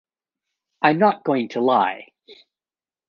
I'm not going to lie.